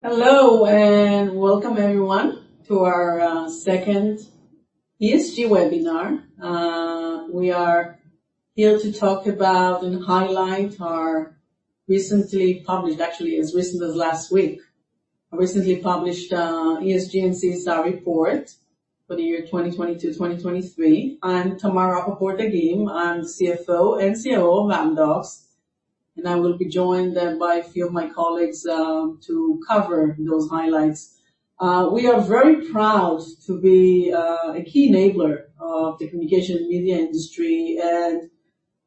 Hello, and welcome everyone to our second ESG webinar. We are here to talk about and highlight our recently published, actually, as recent as last week, ESG and CSR report for the year 2020 to 2023. I'm Tamar Rapaport-Dagim. I'm CFO and COO of Amdocs, and I will be joined by a few of my colleagues to cover those highlights. We are very proud to be a key enabler of the communication and media industry, and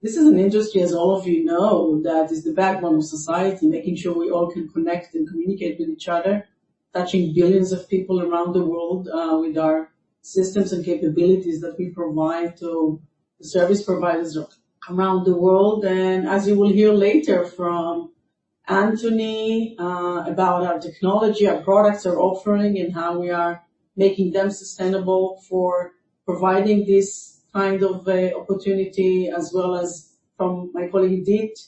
this is an industry, as all of you know, that is the backbone of society, making sure we all can connect and communicate with each other, touching billions of people around the world with our systems and capabilities that we provide to service providers around the world. As you will hear later from Anthony about our technology, our products, our offering, and how we are making them sustainable for providing this kind of opportunity, as well as from my colleague, Idit,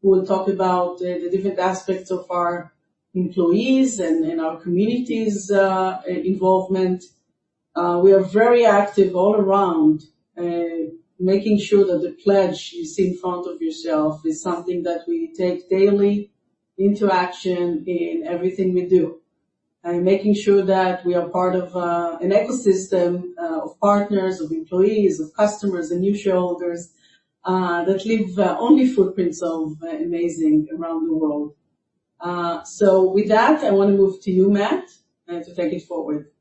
who will talk about the different aspects of our employees and our communities involvement. We are very active all around, making sure that the pledge you see in front of yourself is something that we take daily into action in everything we do, and making sure that we are part of an ecosystem of partners, of employees, of customers, and new shareholders that leave only footprints of amazing around the world. With that, I want to move to you, Matt, to take it forward.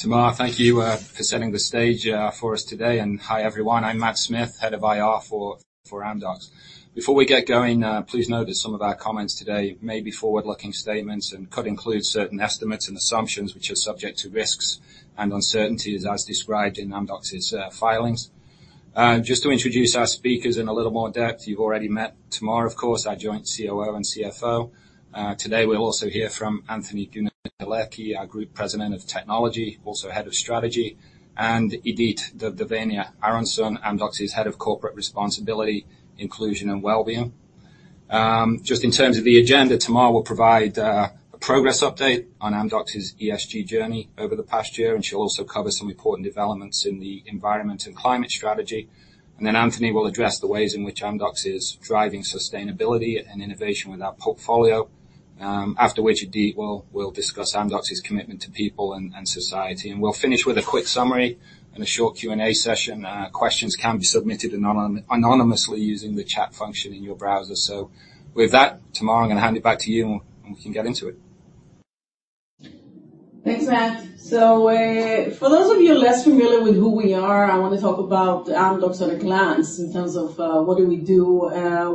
Tamar, thank you for setting the stage for us today, and hi, everyone. I'm Matt Smith, Head of IR for Amdocs. Before we get going, please note that some of our comments today may be forward-looking statements and could include certain estimates and assumptions which are subject to risks and uncertainties as described in Amdocs's filings. Just to introduce our speakers in a little more depth, you've already met Tamar, of course, our joint COO and CFO. Today, we'll also hear from Anthony Goonetilleke, our Group President of Technology, also Head of Strategy, and Idit Duvdevany Aronsohn, Amdocs's Head of Corporate Responsibility, Inclusion, and Wellbeing. Just in terms of the agenda, Tamar will provide a progress update on Amdocs's ESG journey over the past year, and she'll also cover some important developments in the environment and climate strategy. Then Anthony will address the ways in which Amdocs is driving sustainability and innovation with our portfolio. After which, Idit will discuss Amdocs's commitment to people and society. And we'll finish with a quick summary and a short Q&A session. Questions can be submitted anonymously using the chat function in your browser. With that, Tamar, I'm gonna hand it back to you, and we can get into it. Thanks, Matt. So, for those of you less familiar with who we are, I want to talk about Amdocs at a glance in terms of what do we do.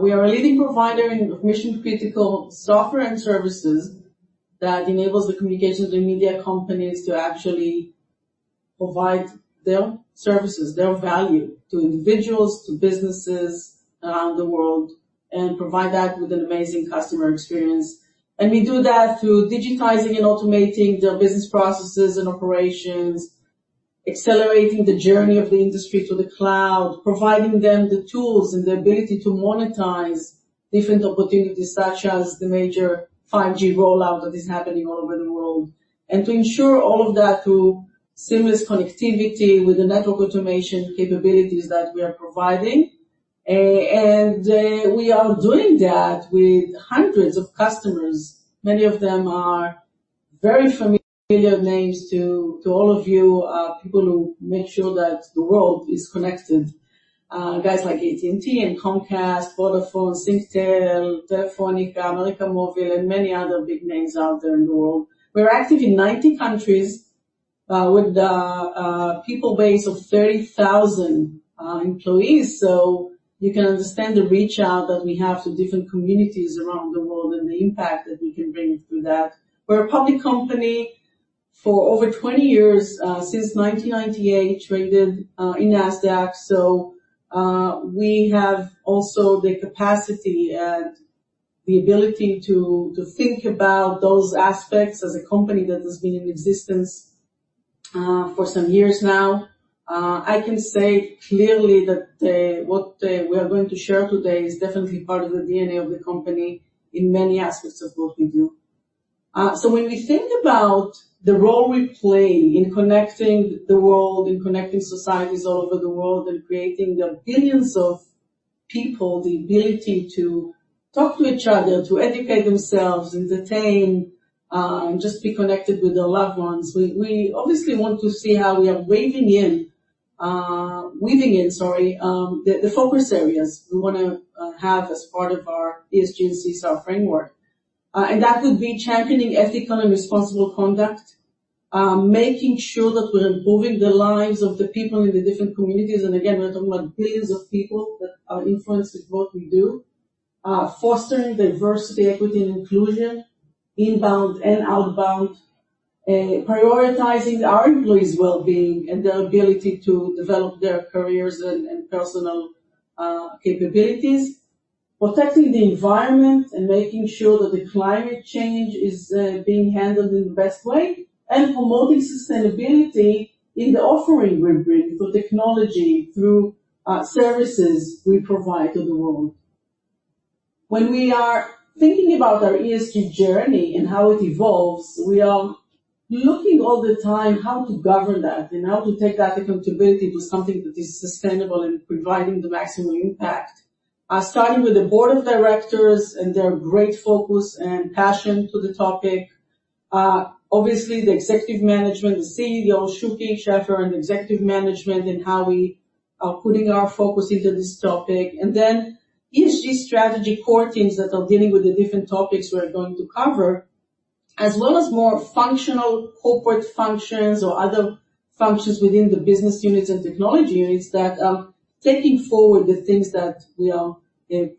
We are a leading provider in mission-critical software and services that enables the communications and media companies to actually provide their services, their value to individuals, to businesses around the world, and provide that with an amazing customer experience. And we do that through digitizing and automating their business processes and operations, accelerating the journey of the industry to the cloud, providing them the tools and the ability to monetize different opportunities, such as the major 5G rollout that is happening all over the world. And to ensure all of that through seamless connectivity with the network automation capabilities that we are providing. And we are doing that with hundreds of customers. Many of them are very familiar names to all of you, people who make sure that the world is connected. Guys like AT&T and Comcast, Vodafone, Singtel, Telefónica, América Móvil, and many other big names out there in the world. We're active in 90 countries, with a people base of 30,000 employees. So you can understand the reach out that we have to different communities around the world and the impact that we can bring through that. We're a public company for over 20 years, since 1998, traded in Nasdaq. So, we have also the capacity and the ability to think about those aspects as a company that has been in existence for some years now. I can say clearly that what we are going to share today is definitely part of the DNA of the company in many aspects of what we do. So when we think about the role we play in connecting the world and connecting societies all over the world, and creating the billions of people, the ability to talk to each other, to educate themselves, entertain, just be connected with their loved ones, we obviously want to see how we are weaving in the focus areas we wanna have as part of our ESG and CSR framework. And that would be championing ethical and responsible conduct, making sure that we're improving the lives of the people in the different communities. And again, we're talking about billions of people that are influenced with what we do. Fostering diversity, equity, and inclusion, inbound and outbound. Prioritizing our employees' well-being and their ability to develop their careers and personal capabilities. Protecting the environment and making sure that the climate change is being handled in the best way, and promoting sustainability in the offering we bring through technology, through services we provide to the world. When we are thinking about our ESG journey and how it evolves, we are looking all the time how to govern that and how to take that accountability to something that is sustainable in providing the maximum impact. Starting with the board of directors and their great focus and passion to the topic. Obviously, the executive management, the CEO Shuky Sheffer, and executive management, and how we are putting our focus into this topic. And then ESG strategy core teams that are dealing with the different topics we are going to cover, as well as more functional corporate functions or other functions within the business units and technology units that are taking forward the things that we are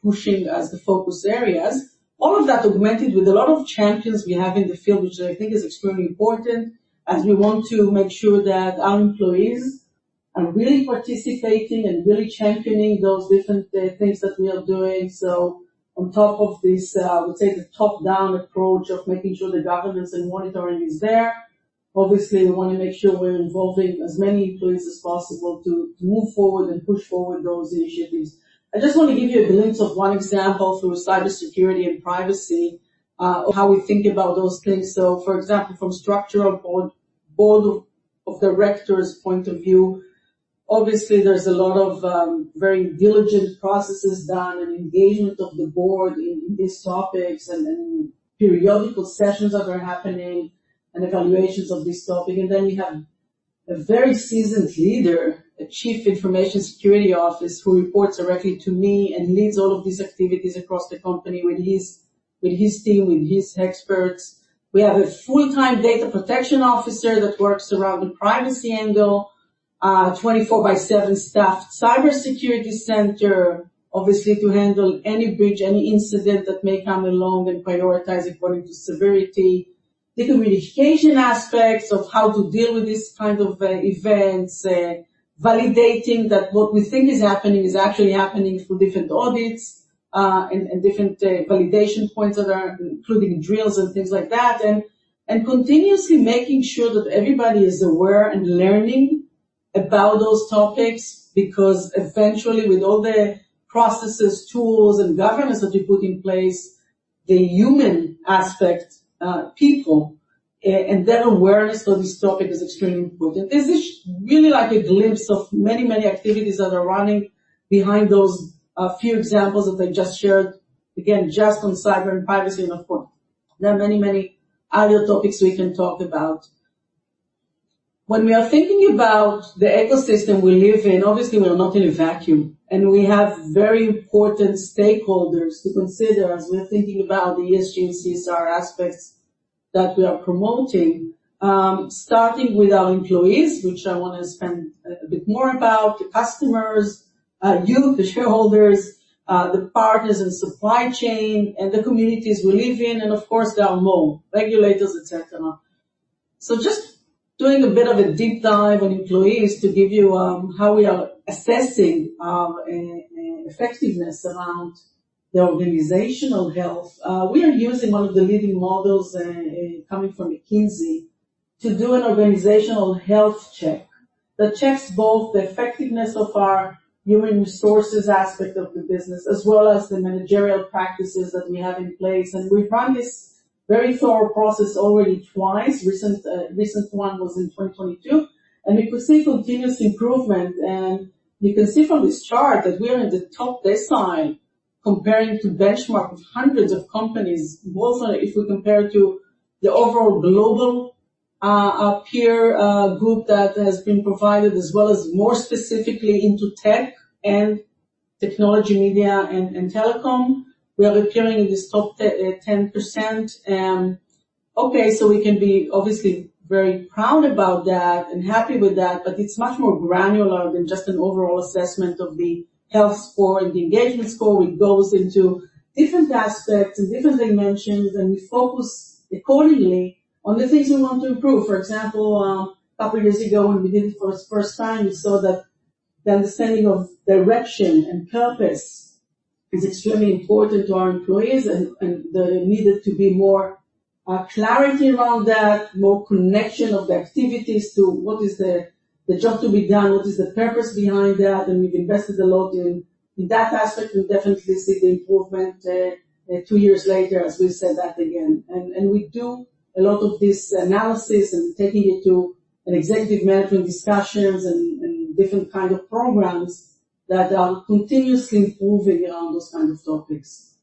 pushing as the focus areas. All of that augmented with a lot of champions we have in the field, which I think is extremely important as we want to make sure that our employees are really participating and really championing those different things that we are doing. On top of this, I would say the top-down approach of making sure the governance and monitoring is there. Obviously, we want to make sure we're involving as many employees as possible to move forward and push forward those initiatives. I just want to give you a glimpse of one example through cybersecurity and privacy, of how we think about those things. For example, from structural board, board of directors' point of view, obviously, there's a lot of very diligent processes done and engagement of the board in these topics, and periodical sessions that are happening and evaluations of this topic. We have a very seasoned leader, a Chief Information Security Officer, who reports directly to me and leads all of these activities across the company with his team, with his experts. We have a full-time data protection officer that works around the privacy angle, 24 by 7 staffed cybersecurity center, obviously, to handle any breach, any incident that may come along and prioritize according to severity. The communication aspects of how to deal with these kind of events, validating that what we think is happening is actually happening through different audits, and different validation points that are including drills and things like that. And continuously making sure that everybody is aware and learning about those topics, because eventually, with all the processes, tools, and governance that we put in place, the human aspect, people, and their awareness of this topic is extremely important. Is this really like a glimpse of many, many activities that are running behind those, a few examples that I just shared? Again, just on cyber and privacy, and of course, there are many, many other topics we can talk about. When we are thinking about the ecosystem we live in, obviously, we are not in a vacuum, and we have very important stakeholders to consider as we're thinking about the ESG and CSR aspects that we are promoting. Starting with our employees, which I want to spend a bit more about, the customers, you, the shareholders, the partners and supply chain, and the communities we live in, and of course, there are more, regulators, et cetera. So just doing a bit of a deep dive on employees to give you, how we are assessing, effectiveness around the organizational health. We are using one of the leading models, coming from McKinsey, to do an organizational health check, that checks both the effectiveness of our human resources aspect of the business, as well as the managerial practices that we have in place. And we run this very thorough process already twice. Recent one was in 2022, and we could see continuous improvement, and you can see from this chart that we are in the top decile comparing to benchmark of hundreds of companies. Both are, if we compare to the overall global peer group that has been provided, as well as more specifically into tech and technology, media and telecom, we are appearing in this top 10%. Okay, so we can be obviously very proud about that and happy with that, but it's much more granular than just an overall assessment of the health score and the engagement score. It goes into different aspects and different dimensions, and we focus accordingly on the things we want to improve. For example, a couple of years ago, when we did it for the first time, we saw that the understanding of direction and purpose is extremely important to our employees, and there needed to be more clarity around that, more connection of the activities to what is the job to be done, what is the purpose behind that, and we've invested a lot in that aspect. We definitely see the improvement two years later, as we said that again. And we do a lot of this analysis and taking it to an executive management discussions and different kind of programs that are continuously improving around those kind of topics.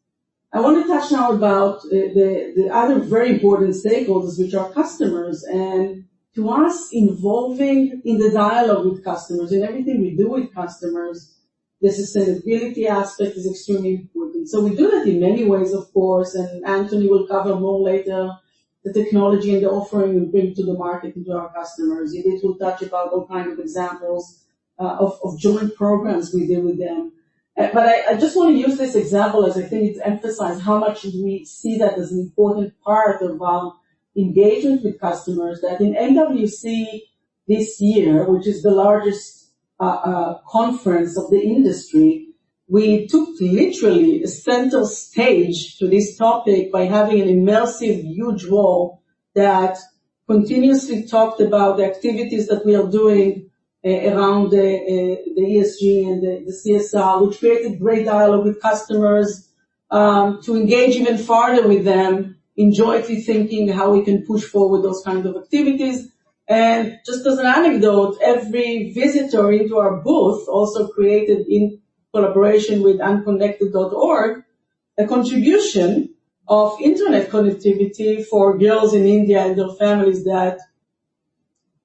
I want to touch now about the other very important stakeholders, which are customers, and to us, involving in the dialogue with customers, in everything we do with customers, the sustainability aspect is extremely important. So we do that in many ways, of course, and Anthony will cover more later, the technology and the offering we bring to the market and to our customers. Idit will touch about all kind of examples, of joint programs we do with them. But I, I just want to use this example as I think it emphasize how much we see that as an important part about engagement with customers, that in MWC this year, which is the largest conference of the industry, we took literally a center stage to this topic by having an immersive, huge wall that continuously talked about the activities that we are doing around the ESG and the CSR, which created great dialogue with customers to engage even further with them, enjoy rethinking how we can push forward those kinds of activities. And just as an anecdote, every visitor into our booth also created, in collaboration with unconnected.org, a contribution of internet connectivity for girls in India and their families that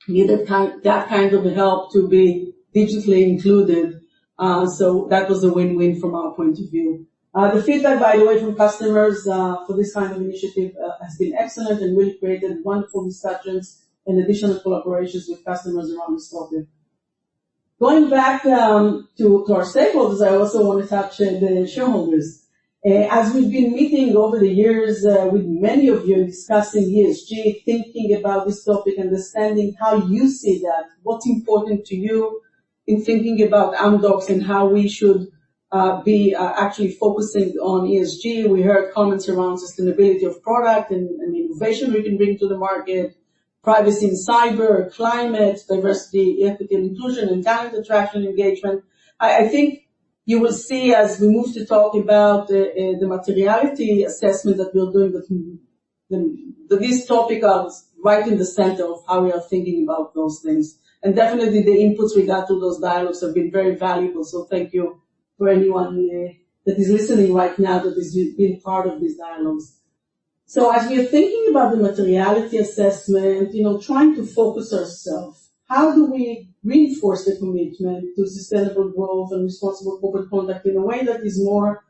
needed that kind of help to be digitally included. So that was a win-win from our point of view. The feedback by the way from customers for this kind of initiative has been excellent, and we've created wonderful discussions and additional collaborations with customers around this topic. Going back to our stakeholders, I also want to touch on the shareholders. As we've been meeting over the years with many of you discussing ESG, thinking about this topic, understanding how you see that, what's important to you in thinking about Amdocs and how we should be actually focusing on ESG. We heard comments around sustainability of product and innovation we can bring to the market, privacy and cyber, climate, diversity, equity, and inclusion, and talent attraction, engagement. I think you will see as we move to talk about the materiality assessment that we are doing, that this topic is right in the center of how we are thinking about those things. And definitely the inputs we got from those dialogues have been very valuable. So thank you to anyone that is listening right now that has been part of these dialogues. So as we are thinking about the materiality assessment, you know, trying to focus ourselves, how do we reinforce the commitment to sustainable growth and responsible corporate conduct in a way that is more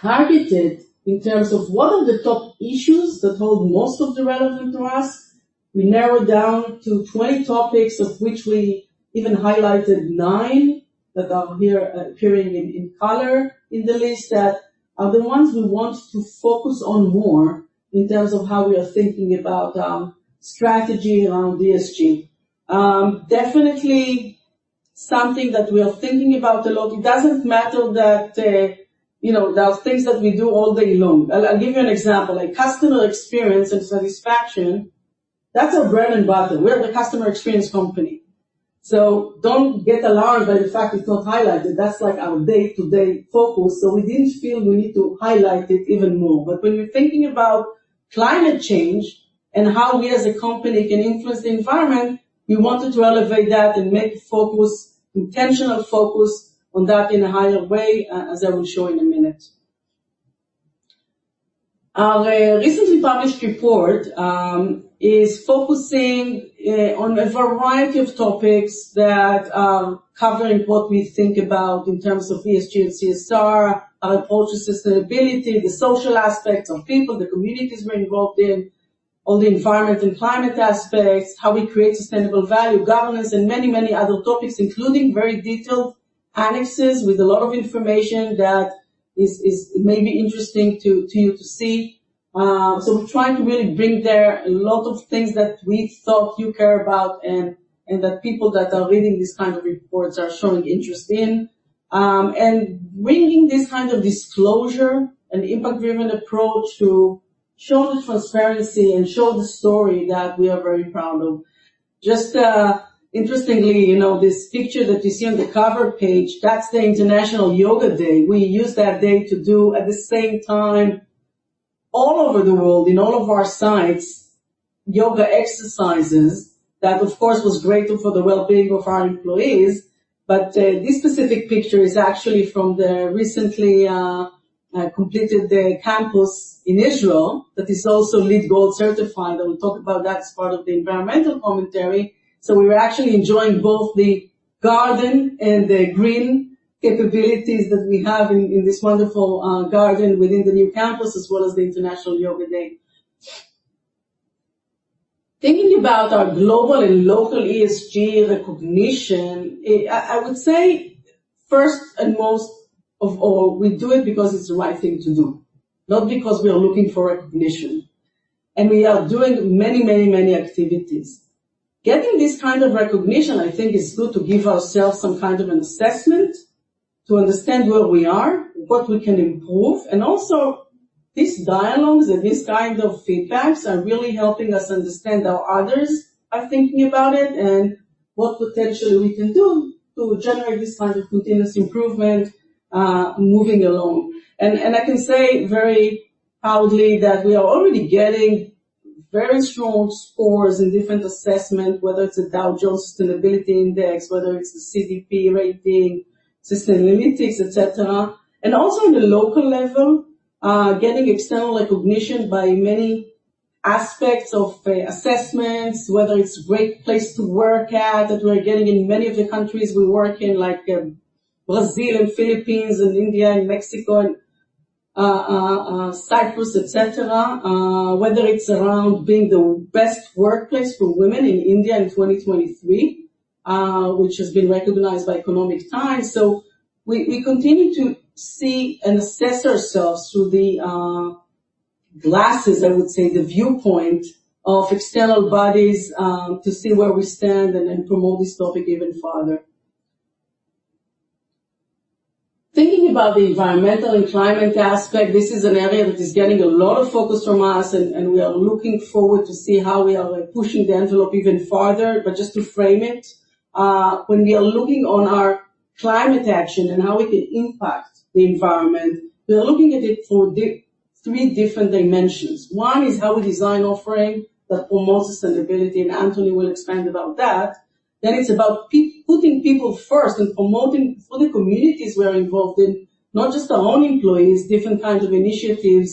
targeted in terms of what are the top issues that are most relevant to us? We narrowed down to 20 topics, of which we even highlighted 9, that are here, appearing in color in the list, that are the ones we want to focus on more in terms of how we are thinking about strategy around ESG. Definitely something that we are thinking about a lot. It doesn't matter that you know, there are things that we do all day long. I'll give you an example. Like customer experience and satisfaction, that's our bread and butter. We're the customer experience company, so don't get alarmed that in fact, it's not highlighted. That's like our day-to-day focus, so we didn't feel we need to highlight it even more. But when we're thinking about climate change and how we as a company can influence the environment, we wanted to elevate that and make focus, intentional focus on that in a higher way, as I will show in a minute. Our recently published report is focusing on a variety of topics that covering what we think about in terms of ESG and CSR, our approach to sustainability, the social aspects of people, the communities we're involved in, all the environment and climate aspects, how we create sustainable value, governance, and many, many other topics, including very detailed annexes with a lot of information that is maybe interesting to you to see. So we're trying to really bring there a lot of things that we thought you care about and that people that are reading these kind of reports are showing interest in. And bringing this kind of disclosure and impact-driven approach to show the transparency and show the story that we are very proud of. Just, interestingly, you know, this picture that you see on the cover page, that's the International Yoga Day. We use that day to do, at the same time, all over the world, in all of our sites, yoga exercises. That, of course, was great for the well-being of our employees, but this specific picture is actually from the recently completed campus in Israel, that is also LEED Gold certified, and we'll talk about that as part of the environmental commentary. So we were actually enjoying both the garden and the green capabilities that we have in this wonderful garden within the new campus, as well as the International Yoga Day. Thinking about our global and local ESG recognition, I would say first and most of all, we do it because it's the right thing to do, not because we are looking for recognition. And we are doing many, many, many activities. Getting this kind of recognition, I think, is good to give ourselves some kind of an assessment, to understand where we are, what we can improve, and also these dialogues and these kind of feedbacks are really helping us understand how others are thinking about it, and what potentially we can do to generate this kind of continuous improvement, moving along. I can say very proudly that we are already getting very strong scores in different assessment, whether it's a Dow Jones Sustainability Index, whether it's a CDP rating, Sustainalytics, et cetera. And also in the local level, getting external recognition by many aspects of assessments, whether it's a great place to work at, that we're getting in many of the countries we work in, like, Brazil and Philippines and India and Mexico, and Cyprus, etc. Whether it's around being the best workplace for women in India in 2023, which has been recognized by Economic Times. So we continue to see and assess ourselves through the glasses, I would say, the viewpoint of external bodies, to see where we stand and promote this topic even further. Thinking about the environmental and climate aspect, this is an area that is getting a lot of focus from us, and we are looking forward to see how we are, like, pushing the envelope even farther. But just to frame it, when we are looking on our climate action and how we can impact the environment, we are looking at it for three different dimensions. One is how we design offering that promotes sustainability, and Anthony will expand about that. Then it's about putting people first and promoting for the communities we're involved in, not just our own employees, different kinds of initiatives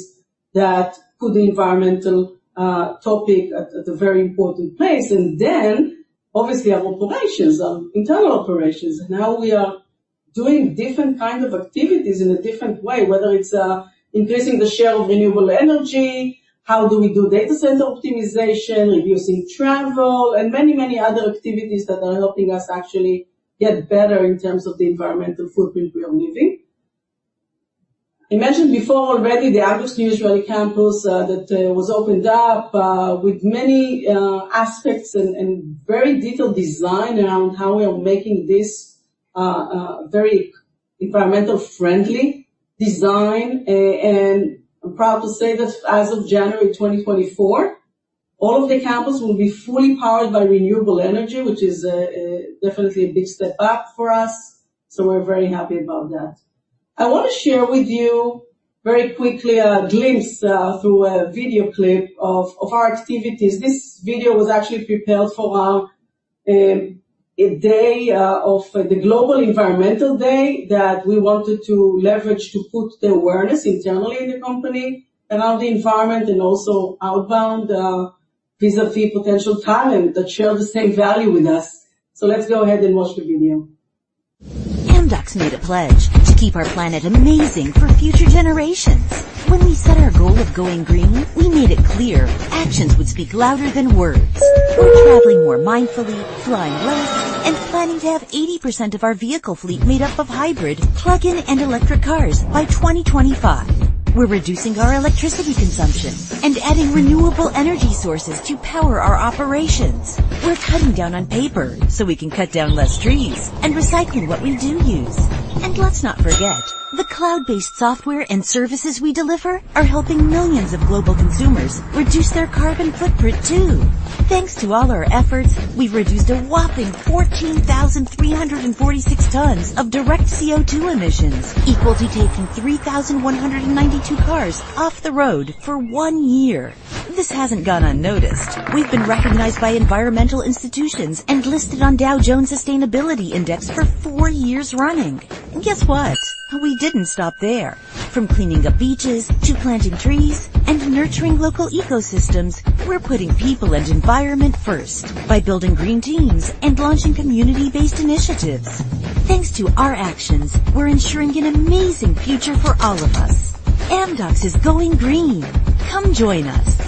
that put the environmental topic at a very important place. And then, obviously, our operations, our internal operations, and how we are doing different kind of activities in a different way, whether it's increasing the share of renewable energy, how do we do data center optimization, reducing travel, and many, many other activities that are helping us actually get better in terms of the environmental footprint we are leaving. I mentioned before already, the August new Israeli campus, that was opened up, with many aspects and very detailed design around how we are making this very environmentally friendly design. And I'm proud to say that as of January 2024, all of the campus will be fully powered by renewable energy, which is definitely a big step up for us, so we're very happy about that. I want to share with you very quickly a glimpse through a video clip of our activities. This video was actually prepared for our a day of the global environmental day, that we wanted to leverage to put the awareness internally in the company around the environment and also outbound vis-à-vis potential talent that share the same value with us. So let's go ahead and watch the video. Amdocs made a pledge to keep our planet amazing for future generations. When we set our goal of going green, we made it clear actions would speak louder than words. We're traveling more mindfully, flying less, and planning to have 80% of our vehicle fleet made up of hybrid, plug-in, and electric cars by 2025. We're reducing our electricity consumption and adding renewable energy sources to power our operations. We're cutting down on paper so we can cut down less trees and recycle what we do use. And let's not forget, the cloud-based software and services we deliver are helping millions of global consumers reduce their carbon footprint, too. Thanks to all our efforts, we've reduced a whopping 14,346 tons of direct CO2 emissions, equal to taking 3,192 cars off the road for one year. This hasn't gone unnoticed. We've been recognized by environmental institutions and listed on Dow Jones Sustainability Index for four years running. Guess what? We didn't stop there. From cleaning up beaches to planting trees and nurturing local ecosystems, we're putting people and environment first by building green teams and launching community-based initiatives. Thanks to our actions, we're ensuring an amazing future for all of us. Amdocs is going green. Come join us.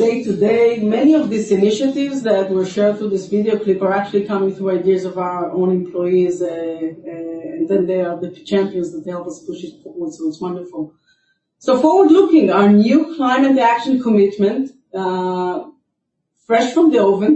Day to day, many of these initiatives that were shared through this video clip are actually coming through ideas of our own employees, and then they are the champions that help us push it forward, so it's wonderful. So forward looking, our new climate action commitment, fresh from the oven.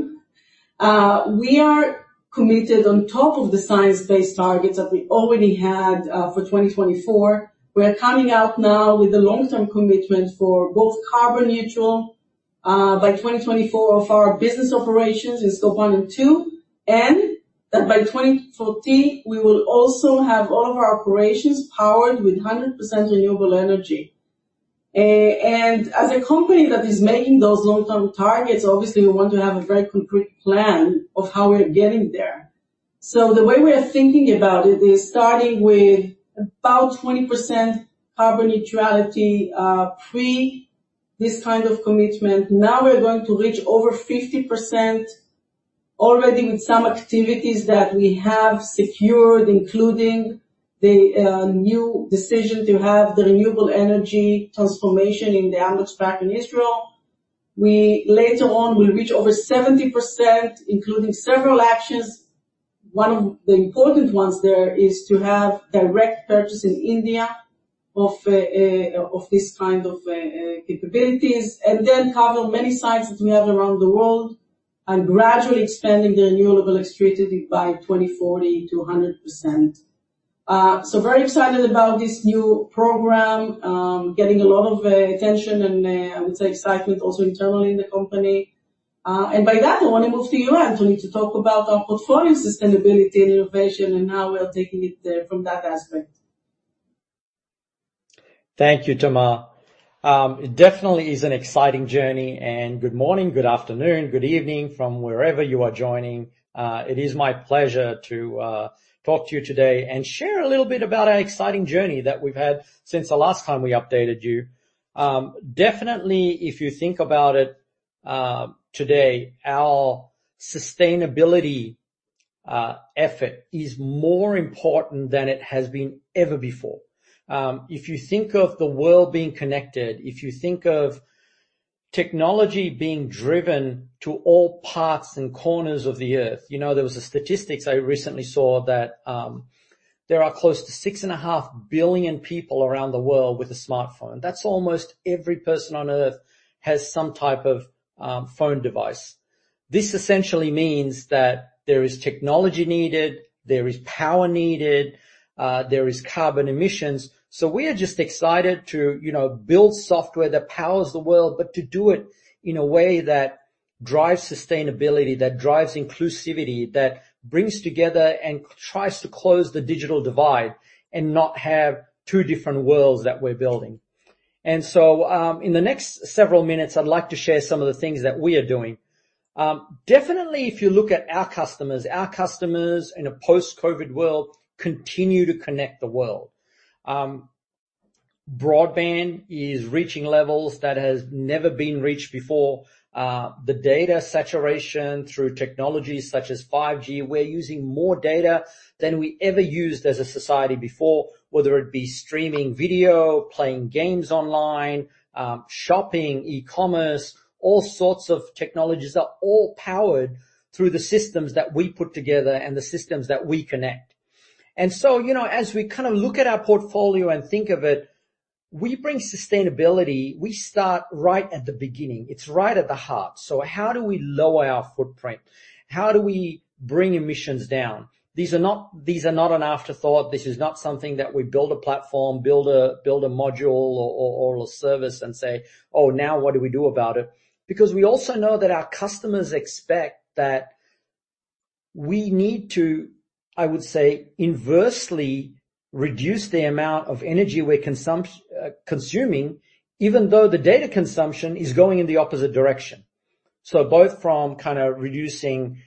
We are committed on top of the science-based targets that we already had for 2024. We are coming out now with a long-term commitment for both carbon neutral by 2024 of our business operations in Scope 1 and 2, and that by 2040, we will also have all of our operations powered with 100% renewable energy. And as a company that is making those long-term targets, obviously, we want to have a very concrete plan of how we're getting there. So the way we are thinking about it is starting with about 20% carbon neutrality pre this kind of commitment. Now we're going to reach over 50% already with some activities that we have secured, including the new decision to have the renewable energy transformation in the Amdocs Pack in Israel. Later on, we'll reach over 70%, including several actions. One of the important ones there is to have direct purchase in India of this kind of capabilities, and then cover many sites that we have around the world and gradually expanding the renewable electricity by 2040 to 100%. So very excited about this new program. Getting a lot of attention and I would say excitement also internally in the company. By that, I want to move to you, Anthony, to talk about our portfolio sustainability and innovation and how we are taking it from that aspect. Thank you, Tamar. It definitely is an exciting journey, and good morning, good afternoon, good evening from wherever you are joining. It is my pleasure to talk to you today and share a little bit about our exciting journey that we've had since the last time we updated you. Definitely, if you think about it, today, our sustainability effort is more important than it has been ever before. If you think of the world being connected, if you think of technology being driven to all parts and corners of the earth... You know, there was a statistics I recently saw that... There are close to 6.5 billion people around the world with a smartphone. That's almost every person on Earth has some type of phone device. This essentially means that there is technology needed, there is power needed, there is carbon emissions. So we are just excited to, you know, build software that powers the world, but to do it in a way that drives sustainability, that drives inclusivity, that brings together and tries to close the digital divide, and not have two different worlds that we're building. And so, in the next several minutes, I'd like to share some of the things that we are doing. Definitely, if you look at our customers, our customers in a post-COVID world continue to connect the world. Broadband is reaching levels that has never been reached before. The data saturation through technologies such as 5G, we're using more data than we ever used as a society before, whether it be streaming video, playing games online, shopping, e-commerce, all sorts of technologies are all powered through the systems that we put together and the systems that we connect. And so, you know, as we kind of look at our portfolio and think of it, we bring sustainability, we start right at the beginning. It's right at the heart. So how do we lower our footprint? How do we bring emissions down? These are not, these are not an afterthought. This is not something that we build a platform, build a module or a service and say, "Oh, now what do we do about it?" Because we also know that our customers expect that we need to, I would say, inversely reduce the amount of energy we're consuming, even though the data consumption is going in the opposite direction. So both from kind of reducing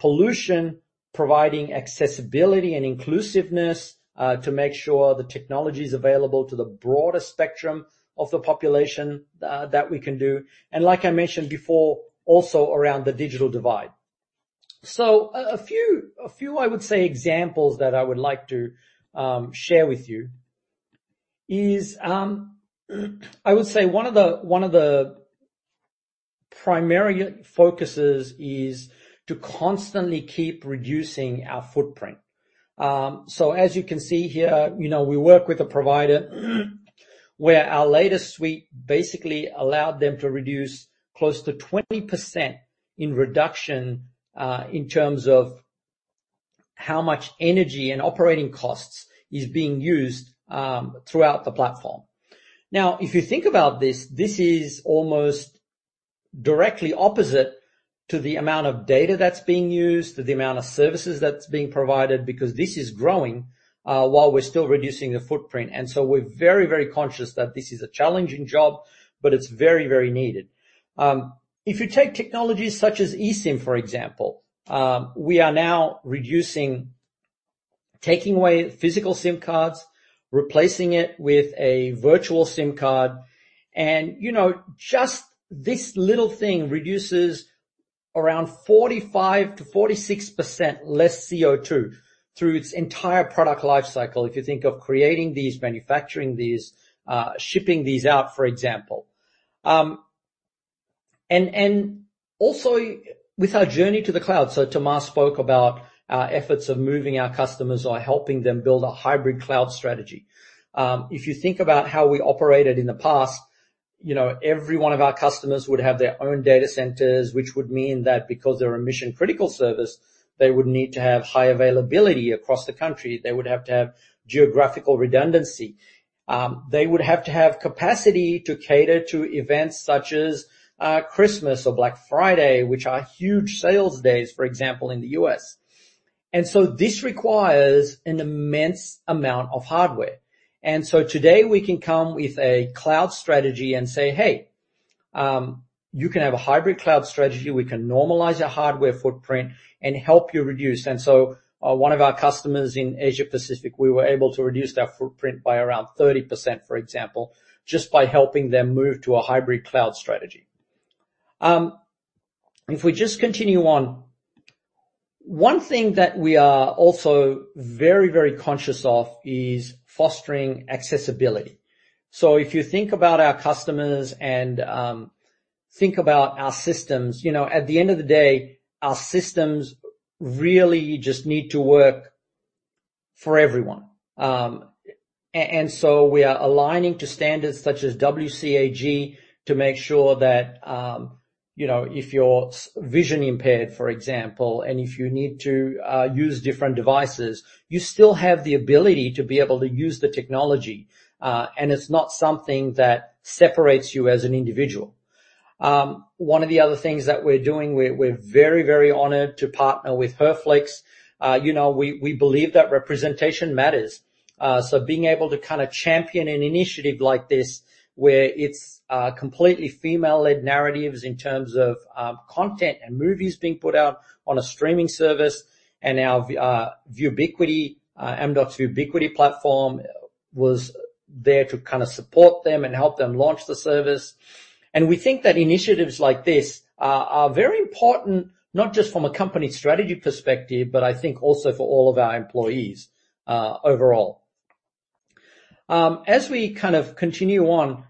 pollution, providing accessibility and inclusiveness to make sure the technology is available to the broader spectrum of the population that we can do, and like I mentioned before, also around the digital divide. So a few examples that I would like to share with you is, I would say one of the primary focuses is to constantly keep reducing our footprint. So as you can see here, you know, we work with a provider, where our latest suite basically allowed them to reduce close to 20% in reduction, in terms of how much energy and operating costs is being used, throughout the platform. Now, if you think about this, this is almost directly opposite to the amount of data that's being used, to the amount of services that's being provided, because this is growing, while we're still reducing the footprint. And so we're very, very conscious that this is a challenging job, but it's very, very needed. If you take technologies such as eSIM, for example, we are now reducing... taking away physical SIM cards, replacing it with a virtual SIM card, and, you know, just this little thing reduces around 45%-46% less CO2 through its entire product life cycle, if you think of creating these, manufacturing these, shipping these out, for example. And, and also with our journey to the cloud, so Tamar spoke about our efforts of moving our customers or helping them build a hybrid cloud strategy. If you think about how we operated in the past, you know, every one of our customers would have their own data centers, which would mean that because they're a mission-critical service, they would need to have high availability across the country. They would have to have geographical redundancy. They would have to have capacity to cater to events such as Christmas or Black Friday, which are huge sales days, for example, in the US. And so this requires an immense amount of hardware. And so today we can come with a cloud strategy and say, "Hey, you can have a hybrid cloud strategy. We can normalize your hardware footprint and help you reduce." And so, one of our customers in Asia Pacific, we were able to reduce their footprint by around 30%, for example, just by helping them move to a hybrid cloud strategy. If we just continue on, one thing that we are also very, very conscious of is fostering accessibility. So if you think about our customers and think about our systems, you know, at the end of the day, our systems really just need to work for everyone. And so we are aligning to standards such as WCAG to make sure that, you know, if you're vision impaired, for example, and if you need to use different devices, you still have the ability to be able to use the technology, and it's not something that separates you as an individual. One of the other things that we're doing, we're very, very honored to partner with Herflix. You know, we believe that representation matters. So being able to kind of champion an initiative like this, where it's completely female-led narratives in terms of content and movies being put out on a streaming service, and our Vubiquity, Amdocs Vubiquity platform, was there to kind of support them and help them launch the service. And we think that initiatives like this are very important, not just from a company strategy perspective, but I think also for all of our employees, overall. As we kind of continue on,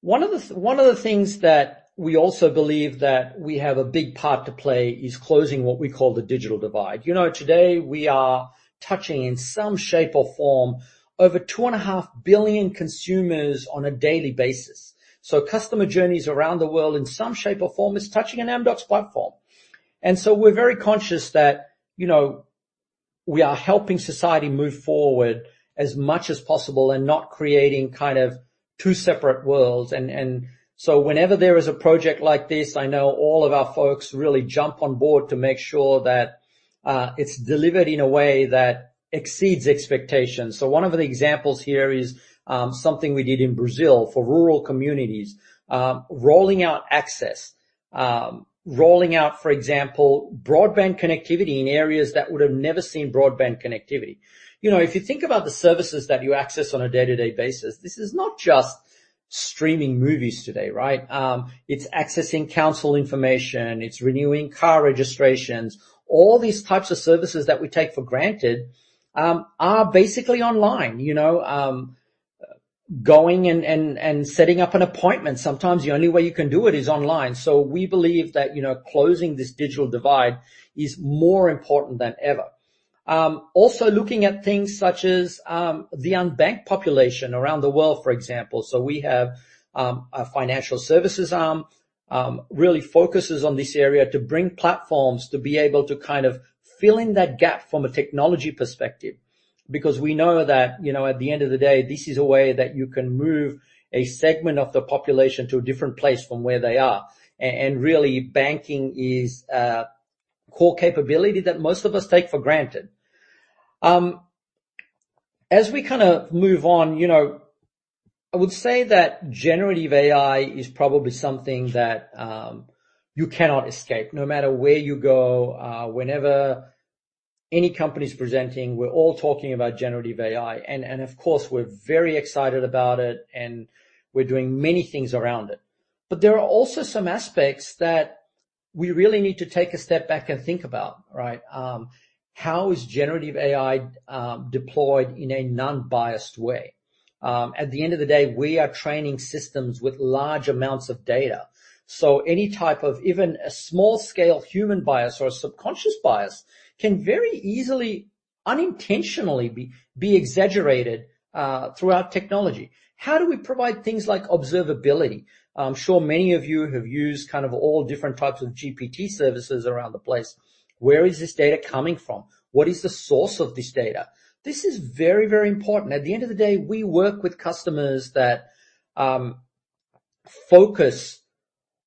one of the things that we also believe that we have a big part to play is closing what we call the Digital Divide. You know, today we are touching, in some shape or form, over 2.5 billion consumers on a daily basis. So customer journeys around the world, in some shape or form, is touching an Amdocs platform. And so we're very conscious that, you know, we are helping society move forward as much as possible and not creating kind of two separate worlds. So whenever there is a project like this, I know all of our folks really jump on board to make sure that it's delivered in a way that exceeds expectations. So one of the examples here is something we did in Brazil for rural communities, rolling out access, rolling out, for example, broadband connectivity in areas that would have never seen broadband connectivity. You know, if you think about the services that you access on a day-to-day basis, this is not just streaming movies today, right? It's accessing council information, it's renewing car registrations. All these types of services that we take for granted are basically online, you know. Going and setting up an appointment, sometimes the only way you can do it is online. So we believe that, you know, closing this Digital Divide is more important than ever. Also looking at things such as, the unbanked population around the world, for example. So we have, a financial services arm, really focuses on this area to bring platforms to be able to kind of fill in that gap from a technology perspective, because we know that, you know, at the end of the day, this is a way that you can move a segment of the population to a different place from where they are. And really, banking is a core capability that most of us take for granted. As we kinda move on, you know, I would say that Generative AI is probably something that, you cannot escape. No matter where you go, whenever any company is presenting, we're all talking about Generative AI. And of course, we're very excited about it, and we're doing many things around it. But there are also some aspects that we really need to take a step back and think about, right? How is Generative AI deployed in a non-biased way? At the end of the day, we are training systems with large amounts of data, so any type of even a small-scale human bias or a subconscious bias can very easily, unintentionally, be exaggerated throughout technology. How do we provide things like observability? I'm sure many of you have used kind of all different types of GPT services around the place. Where is this data coming from? What is the source of this data? This is very, very important. At the end of the day, we work with customers that focus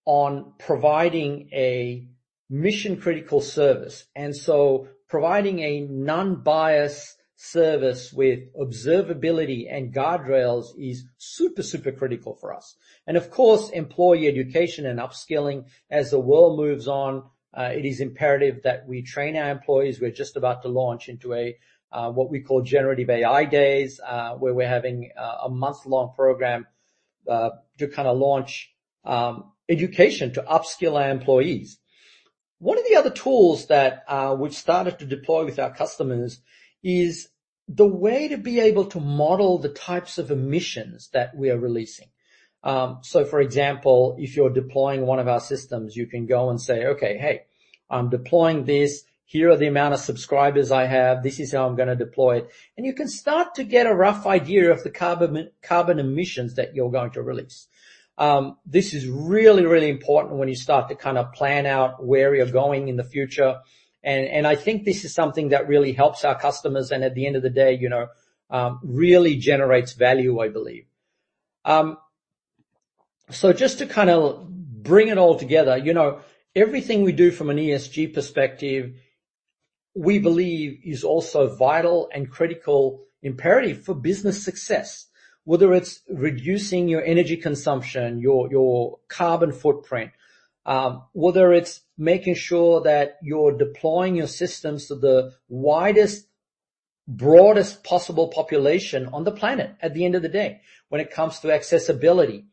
on providing a mission-critical service, and so providing a non-biased service with observability and guardrails is super, super critical for us. Of course, employee education and upskilling. As the world moves on, it is imperative that we train our employees. We're just about to launch into a what we call Generative AI Days, where we're having a month-long program to kinda launch education to upskill our employees. One of the other tools that we've started to deploy with our customers is the way to be able to model the types of emissions that we are releasing. So for example, if you're deploying one of our systems, you can go and say, "Okay, hey, I'm deploying this. Here are the amount of subscribers I have. This is how I'm gonna deploy it." And you can start to get a rough idea of the carbon emissions that you're going to release. This is really, really important when you start to kinda plan out where you're going in the future. And I think this is something that really helps our customers, and at the end of the day, you know, really generates value, I believe. So just to kinda bring it all together, you know, everything we do from an ESG perspective, we believe is also vital and critical imperative for business success, whether it's reducing your energy consumption, your, your carbon footprint, whether it's making sure that you're deploying your systems to the widest, broadest possible population on the planet at the end of the day, when it comes to accessibility,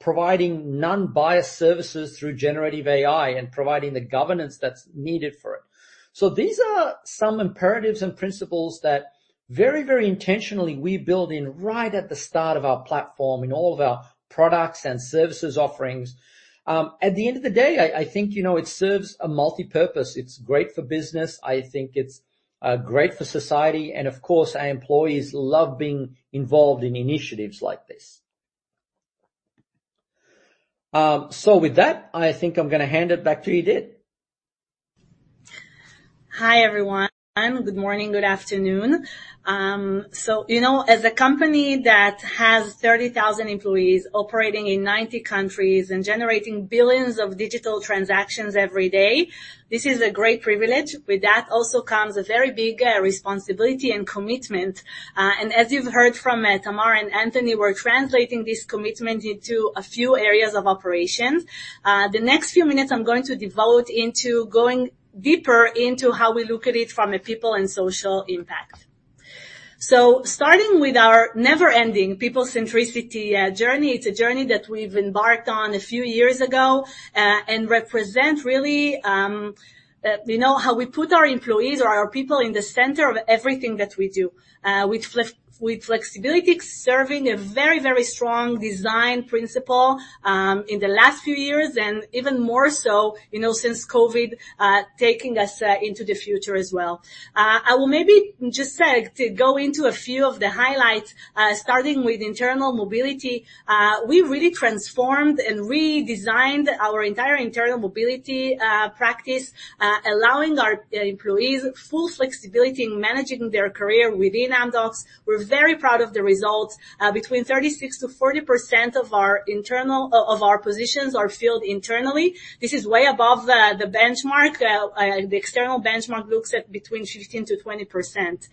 providing non-biased services through Generative AI and providing the governance that's needed for it. So these are some imperatives and principles that very, very intentionally we build in right at the start of our platform in all of our products and services offerings. At the end of the day, I, I think, you know, it serves a multipurpose. It's great for business, I think it's great for society, and of course, our employees love being involved in initiatives like this. With that, I think I'm gonna hand it back to Idit. Hi, everyone. Good morning, good afternoon. So, you know, as a company that has 30,000 employees operating in 90 countries and generating billions of digital transactions every day, this is a great privilege. With that also comes a very big responsibility and commitment. And as you've heard from Tamar and Anthony, we're translating this commitment into a few areas of operation. The next few minutes, I'm going to devote into going deeper into how we look at it from a people and social impact. So starting with our never-ending people centricity journey, it's a journey that we've embarked on a few years ago, and represent really, you know, how we put our employees or our people in the center of everything that we do. With flexibility serving a very, very strong design principle in the last few years, and even more so, you know, since COVID, taking us into the future as well. I will maybe just to go into a few of the highlights, starting with internal mobility. We really transformed and redesigned our entire internal mobility practice, allowing our employees full flexibility in managing their career within Amdocs. We're very proud of the results. Between 36%-40% of our internal positions are filled internally. This is way above the benchmark. The external benchmark looks at between 15%-20%.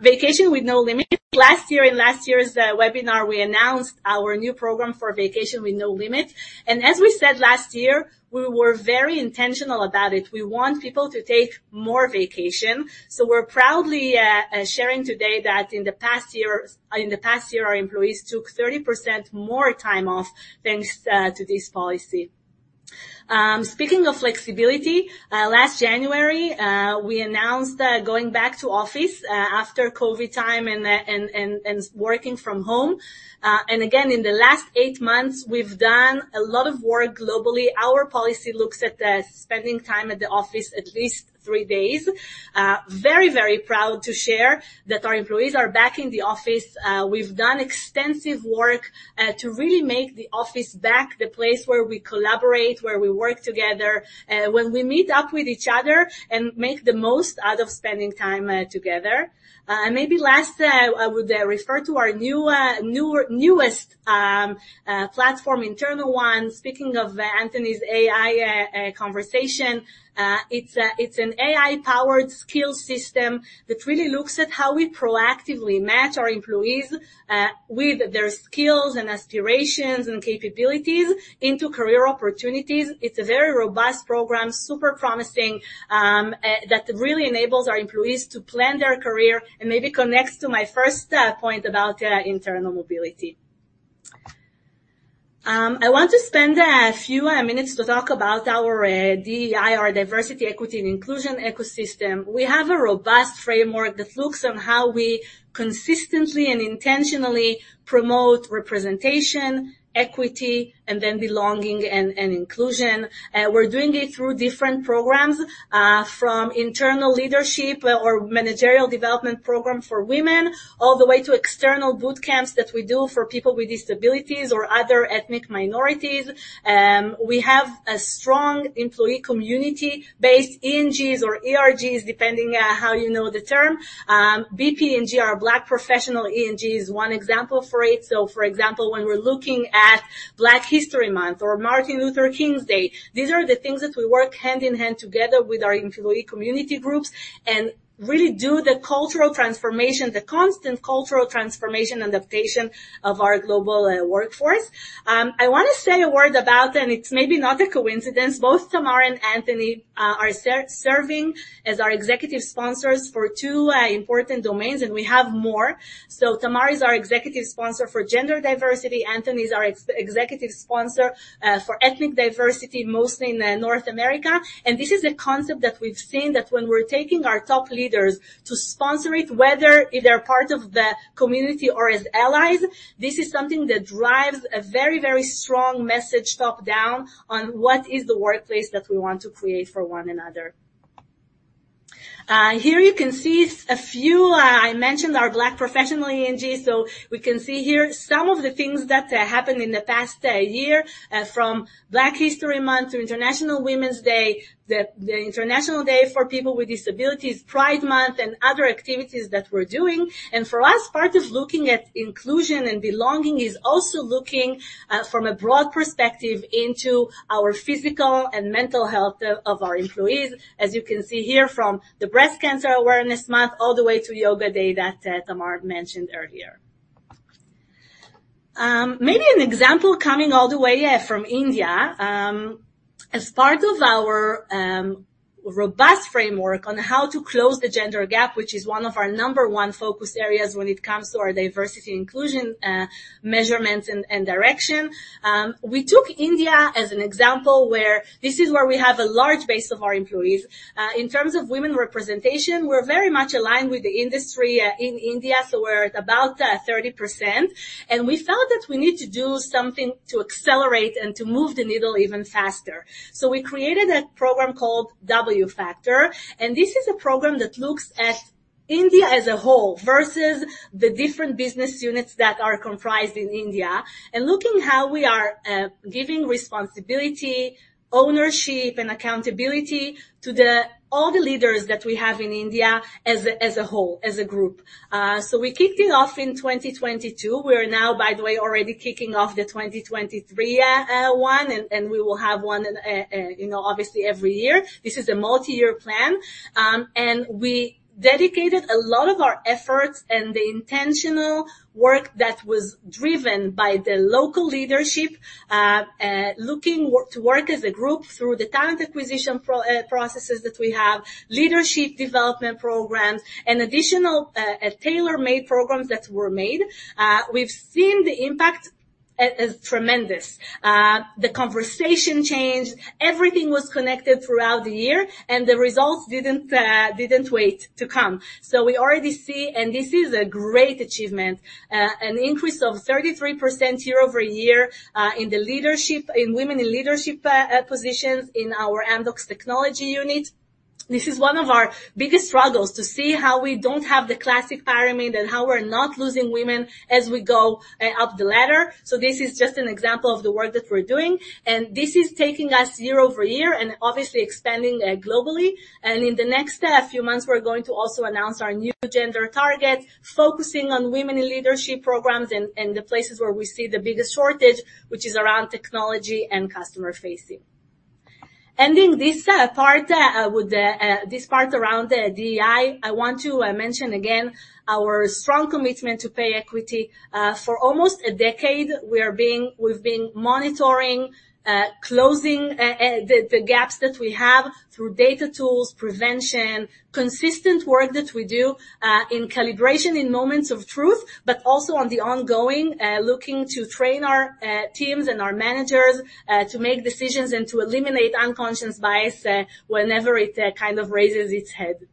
Vacation with no limit. Last year, in last year's webinar, we announced our new program for vacation with no limit, and as we said last year, we were very intentional about it. We want people to take more vacation, so we're proudly sharing today that in the past year, in the past year, our employees took 30% more time off, thanks to this policy. Speaking of flexibility, last January, we announced that going back to office after COVID time and working from home. And again, in the last eight months, we've done a lot of work globally. Our policy looks at spending time at the office at least three days. Very, very proud to share that our employees are back in the office. We've done extensive work to really make the office back the place where we collaborate, where we work together when we meet up with each other and make the most out of spending time together. Maybe last, I would refer to our newest platform, InternalOne. Speaking of Anthony's AI conversation, it's an AI-powered skill system that really looks at how we proactively match our employees with their skills and aspirations and capabilities into career opportunities. It's a very robust program, super promising, that really enables our employees to plan their career and maybe connects to my first point about internal mobility. I want to spend a few minutes to talk about our DEI, our diversity, equity, and inclusion ecosystem. We have a robust framework that looks on how we consistently and intentionally promote representation, equity, and then belonging and, and inclusion. We're doing it through different programs, from internal leadership or managerial development program for women, all the way to external boot camps that we do for people with disabilities or other ethnic minorities. We have a strong employee community based ENGs or ERGs, depending on how you know the term. BPENG or Black Professional ENG is one example for it. So, for example, when we're looking at Black History Month or Martin Luther King's Day, these are the things that we work hand in hand together with our employee community groups and really do the cultural transformation, the constant cultural transformation and adaptation of our global, workforce. I wanna say a word about, and it's maybe not a coincidence. Both Tamar and Anthony are serving as our executive sponsors for two important domains, and we have more. Tamar is our executive sponsor for gender diversity. Anthony is our executive sponsor for ethnic diversity, mostly in North America. This is a concept that we've seen, that when we're taking our top leaders to sponsor it, whether they're part of the community or as allies, this is something that drives a very, very strong message top-down on what is the workplace that we want to create for one another. Here you can see a few I mentioned, our Black Professional ENG. We can see here some of the things that happened in the past year, from Black History Month to International Women's Day, the International Day for People with Disabilities, Pride Month, and other activities that we're doing. For us, part of looking at inclusion and belonging is also looking from a broad perspective into our physical and mental health of our employees. As you can see here, from the Breast Cancer Awareness Month, all the way to Yoga Day that Tamar mentioned earlier. Maybe an example coming all the way from India. As part of our robust framework on how to close the gender gap, which is one of our number one focus areas when it comes to our diversity, inclusion, measurements and direction. We took India as an example, where this is where we have a large base of our employees. In terms of women representation, we're very much aligned with the industry in India, so we're at about 30%, and we felt that we need to do something to accelerate and to move the needle even faster. So we created a program called W-Factor, and this is a program that looks at India as a whole versus the different business units that are comprised in India, and looking how we are giving responsibility, ownership, and accountability to the... all the leaders that we have in India as a whole, as a group. So we kicked it off in 2022. We are now, by the way, already kicking off the 2023 one, and we will have one, you know, obviously every year. This is a multi-year plan. We dedicated a lot of our efforts and the intentional work that was driven by the local leadership, looking to work as a group through the talent acquisition processes that we have, leadership development programs, and additional tailor-made programs that were made. We've seen the impact tremendous. The conversation changed. Everything was connected throughout the year, and the results didn't wait to come. So we already see, and this is a great achievement, an increase of 33% year-over-year in the leadership, in women in leadership positions in our Amdocs technology unit. This is one of our biggest struggles, to see how we don't have the classic pyramid and how we're not losing women as we go up the ladder. So this is just an example of the work that we're doing, and this is taking us year-over-year and obviously expanding globally. And in the next few months, we're going to also announce our new gender target, focusing on women in leadership programs and the places where we see the biggest shortage, which is around technology and customer-facing. Ending this part with this part around the DEI, I want to mention again our strong commitment to pay equity. For almost a decade, we've been monitoring, closing the gaps that we have through data tools, prevention, consistent work that we do in calibration, in moments of truth, but also on the ongoing looking to train our teams and our managers to make decisions and to eliminate unconscious bias whenever it kind of raises its head.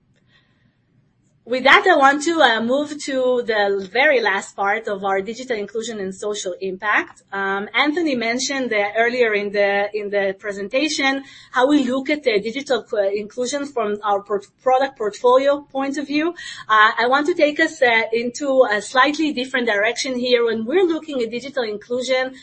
With that, I want to move to the very last part of our digital inclusion and social impact. Anthony mentioned that earlier in the presentation, how we look at the digital inclusion from our product portfolio point of view. I want to take us into a slightly different direction here. When we're looking at digital inclusion,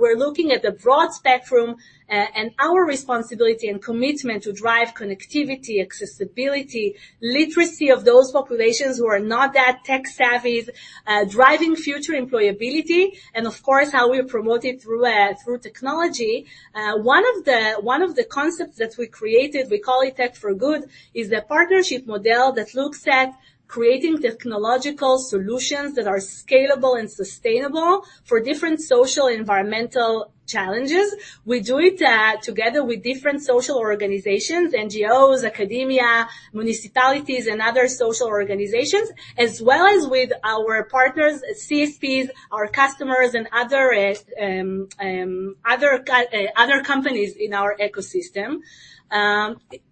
we're looking at the broad spectrum, and our responsibility and commitment to drive connectivity, accessibility, literacy of those populations who are not that tech-savvy, driving future employability, and of course, how we promote it through technology. One of the concepts that we created, we call it Tech for Good, is a partnership model that looks at creating technological solutions that are scalable and sustainable for different social, environmental challenges. We do it together with different social organizations, NGOs, academia, municipalities, and other social organizations, as well as with our partners, CSPs, our customers, and other companies in our ecosystem.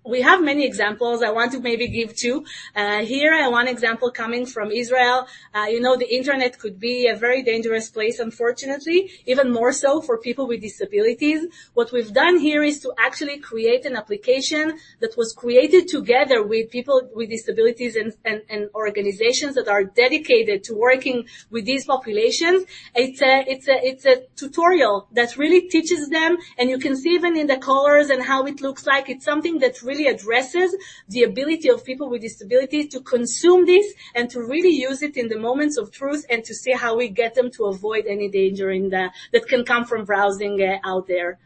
We have many examples. I want to maybe give two. Here, I have one example coming from Israel. You know, the Internet could be a very dangerous place, unfortunately, even more so for people with disabilities. What we've done here is to actually create an application that was created together with people with disabilities and organizations that are dedicated to working with these populations. It's a tutorial that really teaches them, and you can see even in the colors and how it looks like. It's something that really addresses the ability of people with disabilities to consume this and to really use it in the moments of truth, and to see how we get them to avoid any danger in the... that can come from browsing out there.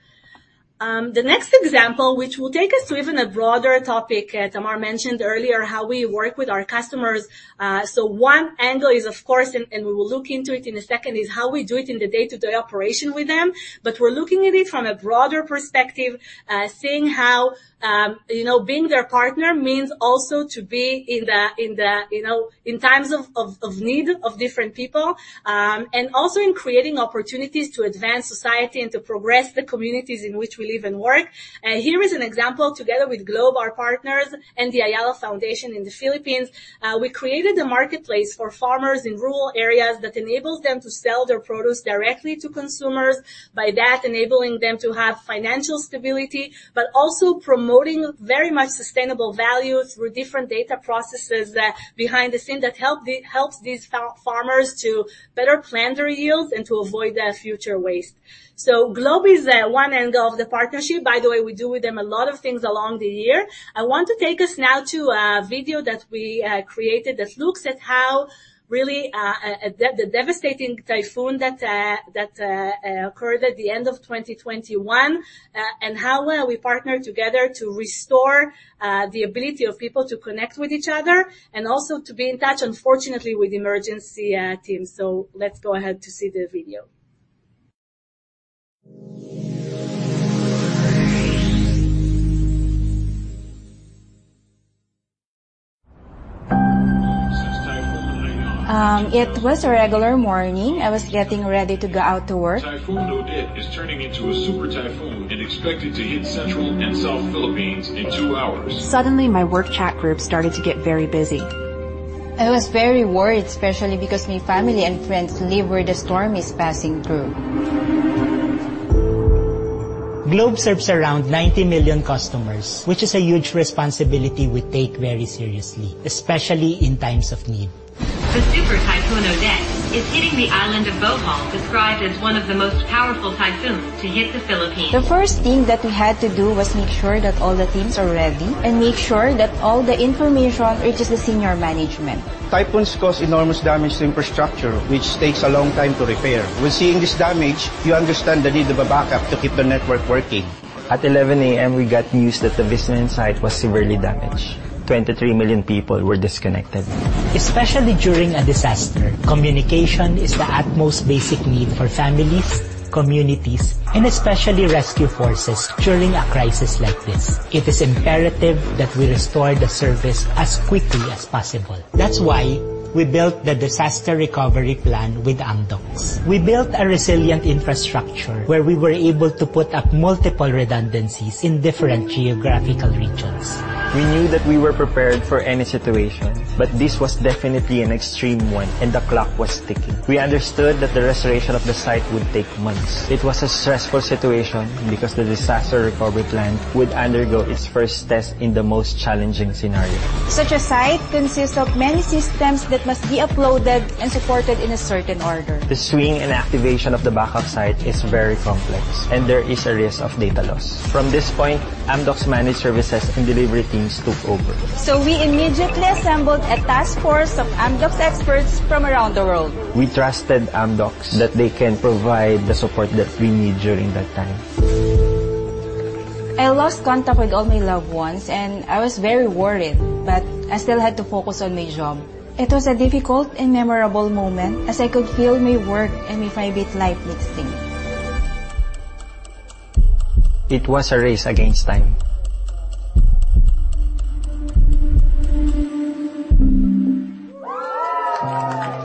The next example, which will take us to even a broader topic, Tamar mentioned earlier how we work with our customers. So one angle is, of course, we will look into it in a second, is how we do it in the day-to-day operation with them. But we're looking at it from a broader perspective, seeing how, you know, being their partner means also to be in the, you know, in times of need of different people, and also in creating opportunities to advance society and to progress the communities in which we live and work. Here is an example together with Globe, our partners, and the Ayala Foundation in the Philippines. We created a marketplace for farmers in rural areas that enables them to sell their produce directly to consumers. By that, enabling them to have financial stability, but also promoting very much sustainable value through different data processes that behind the scene that help the, helps these farmers to better plan their yields and to avoid future waste. So Globe is one end of the partnership. By the way, we do with them a lot of things along the year. I want to take us now to a video that we created that looks at how really the devastating typhoon that occurred at the end of 2021 and how well we partnered together to restore the ability of people to connect with each other and also to be in touch, unfortunately, with emergency teams. So let's go ahead to see the video. It was a regular morning. I was getting ready to go out to work. Typhoon Odette is turning into a super typhoon and expected to hit central and south Philippines in two hours. Suddenly, my work chat group started to get very busy. I was very worried, especially because my family and friends live where the storm is passing through. Globe serves around 90 million customers, which is a huge responsibility we take very seriously, especially in times of need. The Super Typhoon Odette is hitting the island of Bohol, described as one of the most powerful typhoons to hit the Philippines. The first thing that we had to do was make sure that all the teams are ready and make sure that all the information reaches the senior management. Typhoons cause enormous damage to infrastructure, which takes a long time to repair. When seeing this damage, you understand the need of a backup to keep the network working. At 11:00 A.M., we got news that the Visayas site was severely damaged. 23 million people were disconnected. Especially during a disaster, communication is the utmost basic need for families, communities, and especially rescue forces during a crisis like this. It is imperative that we restore the service as quickly as possible. That's why we built the disaster recovery plan with Amdocs. We built a resilient infrastructure where we were able to put up multiple redundancies in different geographic-... We knew that we were prepared for any situation, but this was definitely an extreme one, and the clock was ticking. We understood that the restoration of the site would take months. It was a stressful situation because the disaster recovery plan would undergo its first test in the most challenging scenario. Such a site consists of many systems that must be uploaded and supported in a certain order. The swing and activation of the backup site is very complex, and there is a risk of data loss. From this point, Amdocs managed services and delivery teams took over. We immediately assembled a task force of Amdocs experts from around the world. We trusted Amdocs that they can provide the support that we need during that time. I lost contact with all my loved ones, and I was very worried, but I still had to focus on my job. It was a difficult and memorable moment as I could feel my work and my private life mixing. It was a race against time.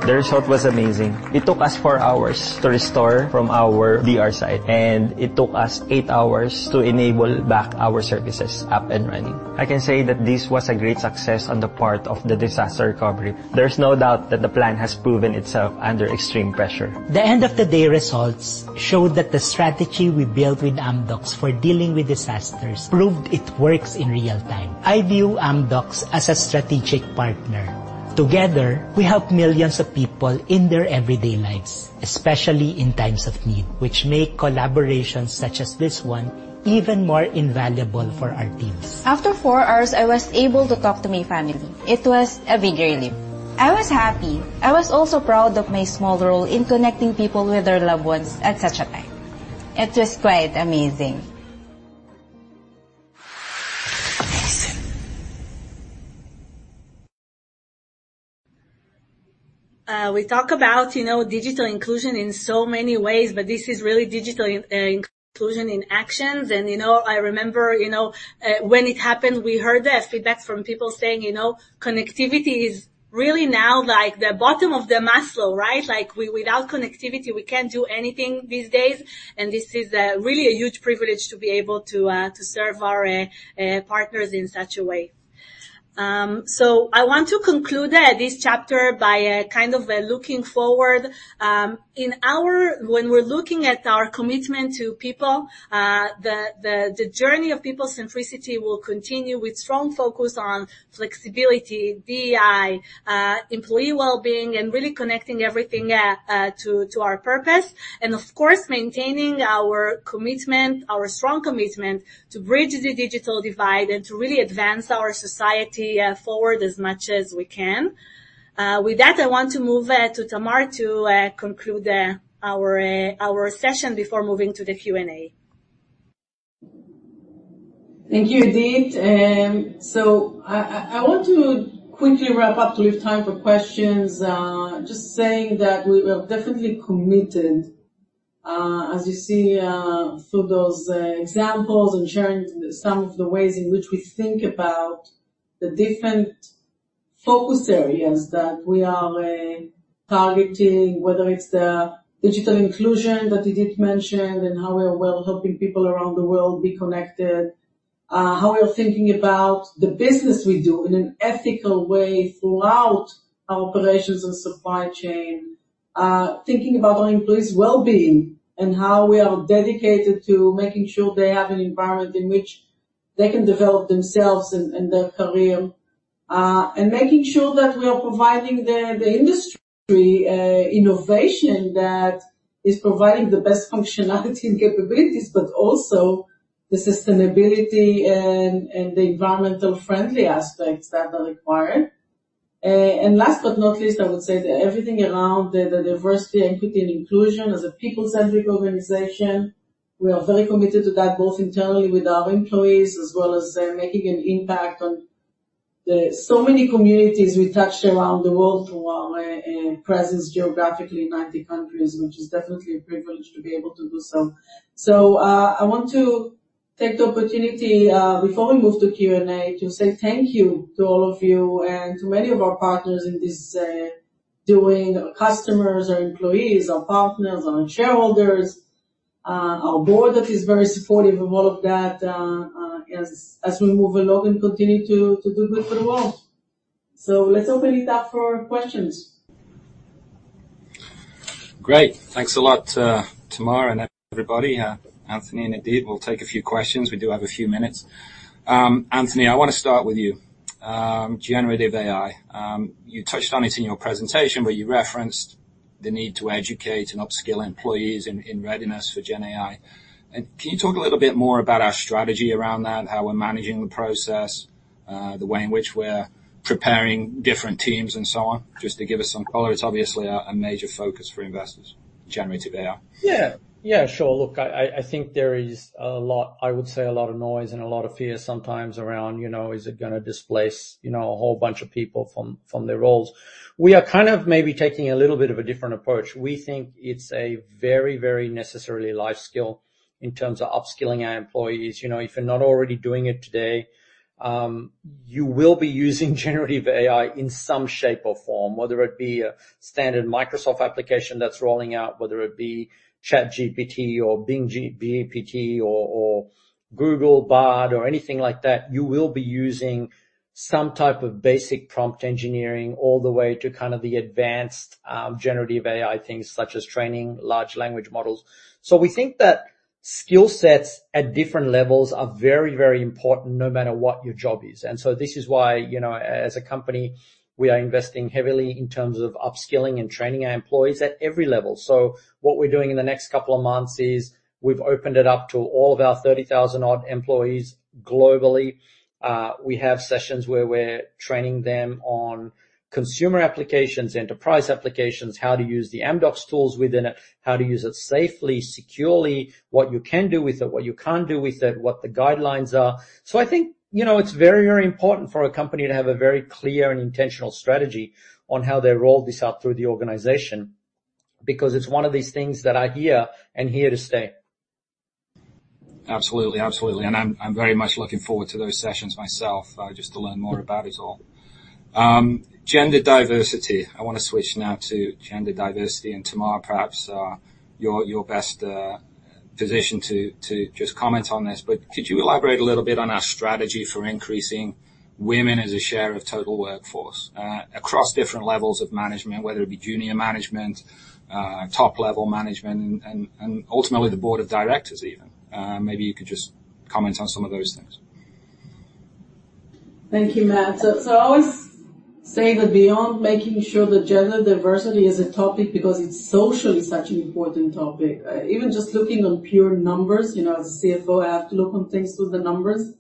The result was amazing. It took us 4 hours to restore from our DR site, and it took us 8 hours to enable back our services up and running. I can say that this was a great success on the part of the disaster recovery. There's no doubt that the plan has proven itself under extreme pressure. The end-of-the-day results showed that the strategy we built with Amdocs for dealing with disasters proved it works in real time. I view Amdocs as a strategic partner. Together, we help millions of people in their everyday lives, especially in times of need, which make collaborations such as this one even more invaluable for our teams. After four hours, I was able to talk to my family. It was a big relief. I was happy. I was also proud of my small role in connecting people with their loved ones at such a time. It was quite amazing. We talk about, you know, digital inclusion in so many ways, but this is really digital in, inclusion in actions. And, you know, I remember, you know, when it happened, we heard the feedback from people saying, "You know, connectivity is really now, like, the bottom of the Maslow, right? Like, we without connectivity, we can't do anything these days." And this is really a huge privilege to be able to to serve our partners in such a way. So I want to conclude this chapter by kind of looking forward. In our... When we're looking at our commitment to people, the journey of people centricity will continue with strong focus on flexibility, DEI, employee well-being, and really connecting everything to our purpose, and of course, maintaining our commitment, our strong commitment to bridge the digital divide and to really advance our society forward as much as we can. With that, I want to move to Tamar to conclude our session before moving to the Q&A. Thank you, Idit. So I want to quickly wrap up to leave time for questions. Just saying that we are definitely committed, as you see, through those examples and sharing some of the ways in which we think about the different focus areas that we are targeting, whether it's the digital inclusion that Idit mentioned, and how we are well, helping people around the world be connected, how we are thinking about the business we do in an ethical way throughout our operations and supply chain. Thinking about our employees' well-being and how we are dedicated to making sure they have an environment in which they can develop themselves and their career, and making sure that we are providing the industry innovation that is providing the best functionality and capabilities, but also the sustainability and the environmental friendly aspects that are required. Last but not least, I would say that everything around the diversity, equity, and inclusion as a people-centric organization, we are very committed to that, both internally with our employees as well as making an impact on the so many communities we touched around the world through our presence, geographically in 90 countries, which is definitely a privilege to be able to do so. So, I want to take the opportunity, before we move to Q&A, to say thank you to all of you and to many of our partners in this doing, our customers, our employees, our partners, our shareholders, our board, that is very supportive of all of that, as we move along and continue to do good for the world. So let's open it up for questions. Great. Thanks a lot, Tamar, and everybody, Anthony, and Idit. We'll take a few questions. We do have a few minutes. Anthony, I wanna start with you. Generative AI. You touched on it in your presentation, where you referenced the need to educate and upskill employees in, in readiness for Gen AI. Can you talk a little bit more about our strategy around that, how we're managing the process, the way in which we're preparing different teams, and so on? Just to give us some color. It's obviously a, a major focus for investors, Generative AI. Yeah. Yeah, sure. Look, I think there is a lot... I would say a lot of noise and a lot of fear sometimes around, you know, is it gonna displace, you know, a whole bunch of people from their roles. We are kind of maybe taking a little bit of a different approach. We think it's a very, very necessary life skill in terms of upskilling our employees. You know, if you're not already doing it today, you will be using generative AI in some shape or form, whether it be a standard Microsoft application that's rolling out, whether it be ChatGPT or Bing GPT or Google Bard or anything like that, you will be using some type of basic prompt engineering all the way to kind of the advanced generative AI things such as training large language models. So we think that-... skill sets at different levels are very, very important, no matter what your job is. So this is why, you know, as a company, we are investing heavily in terms of upskilling and training our employees at every level. What we're doing in the next couple of months is we've opened it up to all of our 30,000-odd employees globally. We have sessions where we're training them on consumer applications, enterprise applications, how to use the Amdocs tools within it, how to use it safely, securely, what you can do with it, what you can't do with it, what the guidelines are. So I think, you know, it's very, very important for a company to have a very clear and intentional strategy on how they roll this out through the organization, because it's one of these things that are here and here to stay. Absolutely. Absolutely. And I'm very much looking forward to those sessions myself, just to learn more about it all. Gender diversity. I want to switch now to gender diversity, and Tamar, perhaps you're best positioned to just comment on this, but could you elaborate a little bit on our strategy for increasing women as a share of total workforce across different levels of management, whether it be junior management, top-level management, and ultimately the board of directors, even? Maybe you could just comment on some of those things. Thank you, Matt. So, so I always say that beyond making sure that gender diversity is a topic because it's socially such an important topic, even just looking on pure numbers, you know, as a CFO, I have to look on things through the numbers.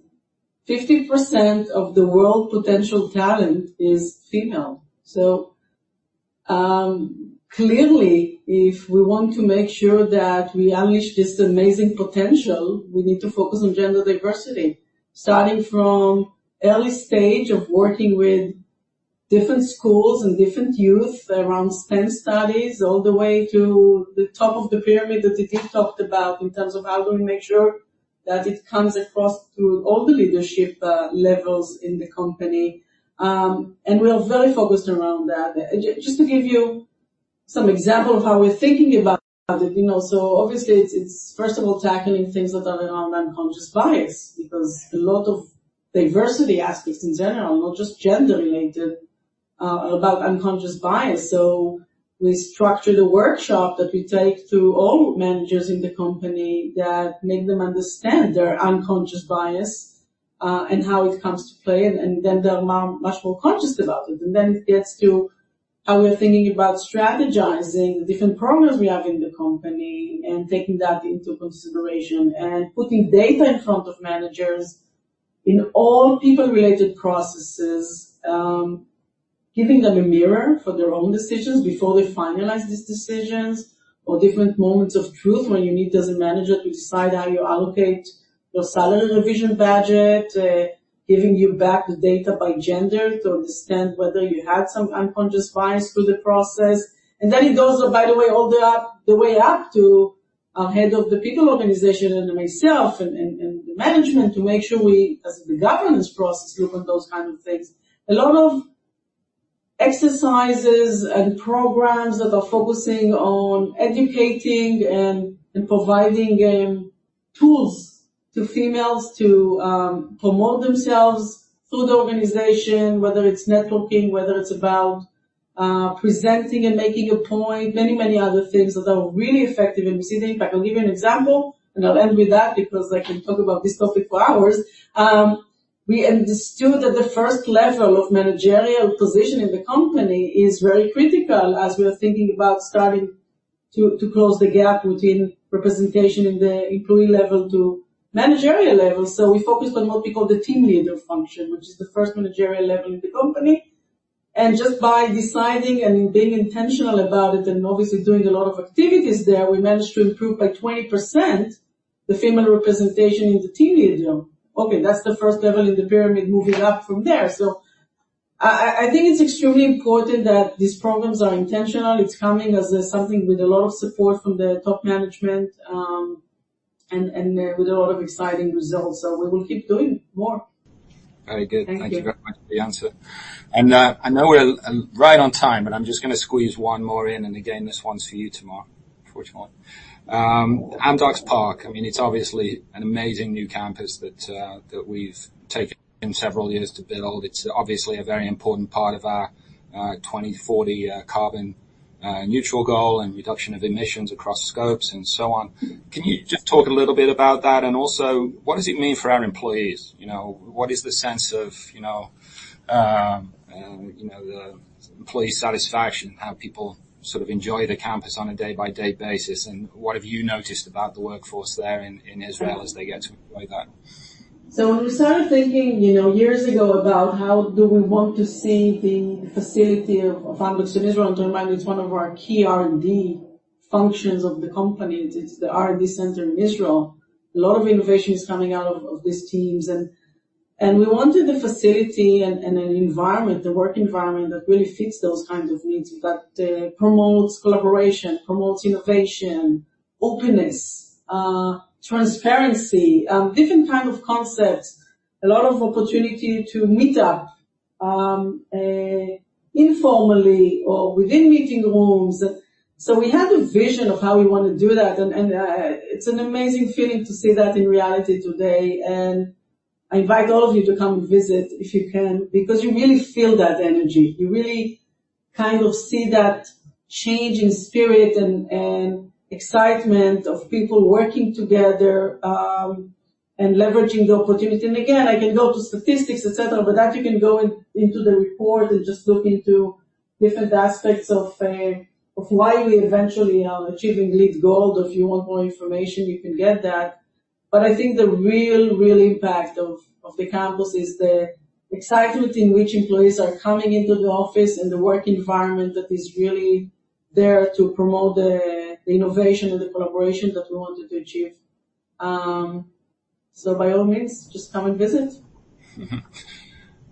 50% of the world potential talent is female. So, clearly, if we want to make sure that we unleash this amazing potential, we need to focus on gender diversity, starting from early stage of working with different schools and different youth around STEM studies, all the way to the top of the pyramid, that it is talked about in terms of how do we make sure that it comes across through all the leadership, levels in the company. And we are very focused around that. Just to give you some example of how we're thinking about it, you know, so obviously it's, it's first of all, tackling things that are around unconscious bias, because a lot of diversity aspects in general, not just gender-related, are about unconscious bias. So we structure the workshop that we take through all managers in the company that make them understand their unconscious bias, and how it comes to play, and then they're now much more conscious about it. Then it gets to how we're thinking about strategizing the different programs we have in the company and taking that into consideration, and putting data in front of managers in all people-related processes, giving them a mirror for their own decisions before they finalize these decisions, or different moments of truth when you need as a manager to decide how you allocate your salary revision budget, giving you back the data by gender to understand whether you had some unconscious bias through the process. Then it goes, by the way, all the way up to head of the People organization, and myself, and the management, to make sure we, as the governance process, look on those kind of things. A lot of exercises and programs that are focusing on educating and providing tools to females to promote themselves through the organization, whether it's networking, whether it's about presenting and making a point, many, many other things that are really effective. See, in fact, I'll give you an example, and I'll end with that because I can talk about this topic for hours. We understood that the first level of managerial position in the company is very critical as we are thinking about starting to close the gap within representation in the employee level to managerial level. So we focused on what we call the team leader function, which is the first managerial level in the company. Just by deciding and being intentional about it and obviously doing a lot of activities there, we managed to improve by 20% the female representation in the team leader. Okay, that's the first level in the pyramid moving up from there. I think it's extremely important that these programs are intentional. It's coming as something with a lot of support from the top management, and with a lot of exciting results. We will keep doing more. Very good. Thank you. Thank you very much for the answer. I know we're right on time, but I'm just gonna squeeze one more in, and again, this one's for you, Tamar, unfortunately. Amdocs Park, I mean, it's obviously an amazing new campus that we've taken several years to build. It's obviously a very important part of our 2040 carbon neutral goal and reduction of emissions across scopes and so on. Can you just talk a little bit about that? And also, what does it mean for our employees? You know, what is the sense of, you know, you know, the employee satisfaction, how people sort of enjoy the campus on a day-by-day basis, and what have you noticed about the workforce there in Israel as they get to enjoy that? So when we started thinking, you know, years ago about how do we want to see the facility of Amdocs in Israel, and bear in mind, it's one of our key R&D functions of the company. It's the R&D center in Israel. A lot of innovation is coming out of these teams, and we wanted a facility and an environment, a work environment that really fits those kinds of needs, but promotes collaboration, promotes innovation, openness, transparency, different kind of concepts, a lot of opportunity to meet up informally or within meeting rooms. So we had a vision of how we want to do that, and it's an amazing feeling to see that in reality today. And I invite all of you to come and visit, if you can, because you really feel that energy. You really kind of see that change in spirit and excitement of people working together and leveraging the opportunity. And again, I can go to statistics, et cetera, but you can go into the report and just look into different aspects of why we eventually are achieving LEED Gold. If you want more information, you can get that. But I think the real impact of the campus is the excitement in which employees are coming into the office and the work environment that is really there to promote the innovation and the collaboration that we wanted to achieve. So by all means, just come and visit.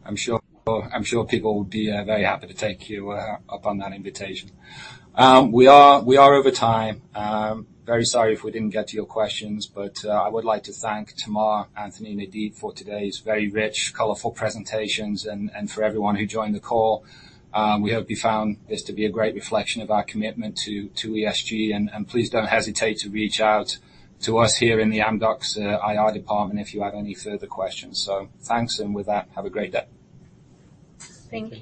I'm sure, I'm sure people will be very happy to take you up on that invitation. We are over time. Very sorry if we didn't get to your questions, but I would like to thank Tamar, Anthony, and Idit for today's very rich, colorful presentations and for everyone who joined the call. We hope you found this to be a great reflection of our commitment to ESG, and please don't hesitate to reach out to us here in the Amdocs IR department if you have any further questions. So thanks, and with that, have a great day. Thank you.